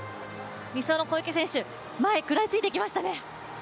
２走の小池選手、前に食らいついていきましたね。